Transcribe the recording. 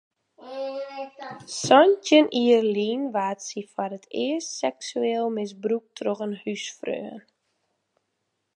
Santjin jier lyn waard sy foar it earst seksueel misbrûkt troch in húsfreon.